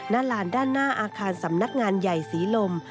ลานด้านหน้าอาคารสำนักงานใหญ่ศรีลม